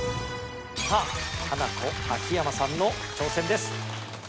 さあハナコ秋山さんの挑戦です。